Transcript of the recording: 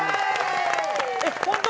えっ、本当？